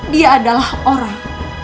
dia adalah orang